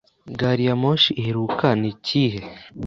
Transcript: Gari ya moshi iheruka ni ikihe?